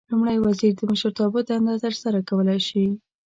لومړی وزیر د مشرتابه دنده ترسره کولای شي.